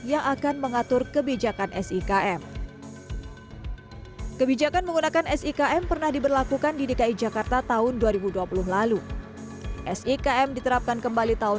yang akan mengatur kebijakan sikm